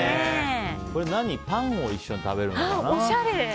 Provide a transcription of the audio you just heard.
これ、パンも一緒に食べるのかな？